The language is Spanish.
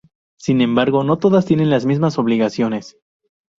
Sin embargo, no todas tienen las mismas obligaciones.